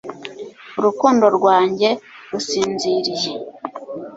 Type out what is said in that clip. urukundo rwanjye rusinziriye